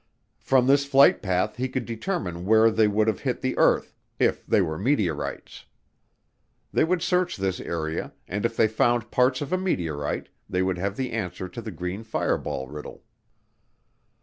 From this flight path he could determine where they would have hit the earth if they were meteorites. They would search this area, and if they found parts of a meteorite they would have the answer to the green fireball riddle.